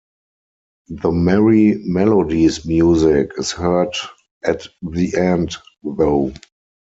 The Merrie Melodies music is heard at the end though.